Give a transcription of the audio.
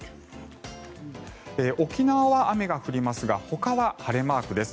沖縄は雨が降りますがほかは晴れマークです。